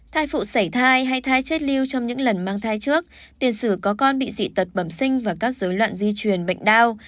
thai phụ xảy thai hay thai chết lưu trong những lần mang thai trước tiền sử có con bị dị tật bẩm sinh và các dối loạn di truyền bệnh đau